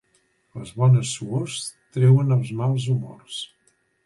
Les bones suors treuen els mals humors.